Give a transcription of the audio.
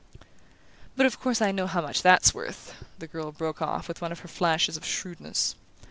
"But of course I know how much that's worth," the girl broke off, with one of her flashes of shrewdness.